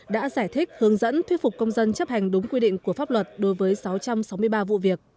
đã giải thích hướng dẫn thuyết phục công dân chấp hành đúng quy định của pháp luật đối với sáu trăm sáu mươi ba vụ việc